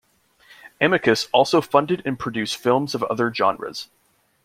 Amicus also funded and produced films of other genres.